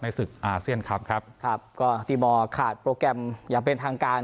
ศึกอาเซียนคลับครับครับก็ตีบอลขาดโปรแกรมอย่างเป็นทางการ